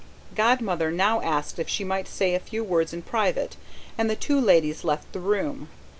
Godmother now asked if she might say a few words in private, and the two ladies left the room.